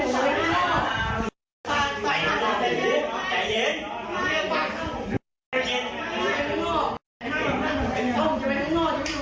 ใจเย็น